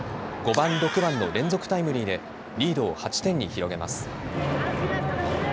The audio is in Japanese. ５番、６番の連続タイムリーでリードを８点に広げます。